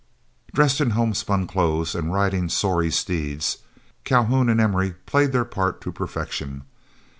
Dressed in homespun clothes, and riding sorry steeds, Calhoun and Emory played their part to perfection.